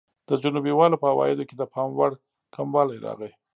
د جنوبي والو په عوایدو کې د پاموړ کموالی راغی.